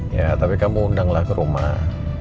ya tapi kamu undanglah ke rumah